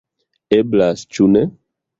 Eblas, cu ne!